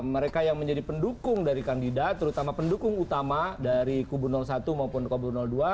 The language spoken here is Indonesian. mereka yang menjadi pendukung dari kandidat terutama pendukung utama dari kubu satu maupun kubu dua